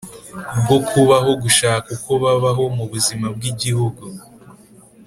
bwo kubaho gushaka uko babaho mu buzima bw ibihugu